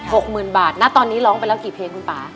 หกหมื่นบาทณตอนนี้ร้องไปแล้วกี่เพลงคุณป่า